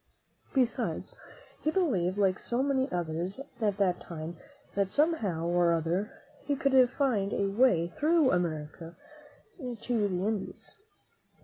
Be sides, he believed, like so many others at that time, that somehow or other he could find a way through America to the Indies.